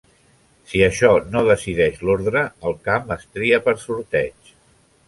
Si això no decideix l'ordre, el camp es tria per sorteig.